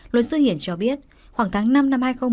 lội sư hiển cho biết khoảng tháng năm năm hai nghìn một mươi chín